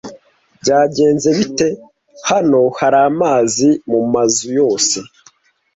Byagenze bite? Hano hari amazi mumazu yose.